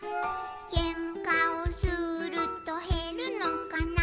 「けんかをするとへるのかな」